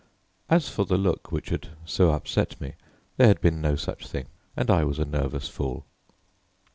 As for the look which had so upset me, there had been no such thing, and I was a nervous fool.